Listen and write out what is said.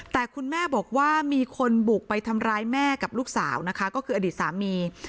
แต่คุณแม่บอกว่ามีคนบุกไปทำร้ายแม่กับลูกสาวนะคะก็คืออดีตสามี